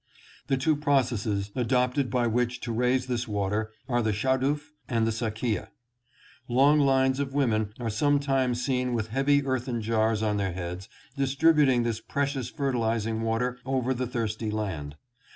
The two processes adopted by which to raise this water are the shaduf and the sakiyeh. Long lines of women are sometimes 710 ON THE NILE. seen with heavy earthen jars on their heads distributing this precious fertilizing water over the thirsty land.